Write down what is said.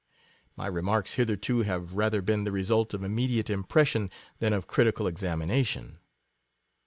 My remarks hitherto have ra ther been the result of immediate impression than of critical examination.